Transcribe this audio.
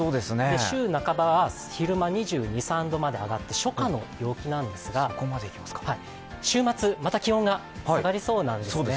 週半ばは昼間２２２３度まで上がって初夏の陽気なんですが、週末、また気温が下がりそうなんですね。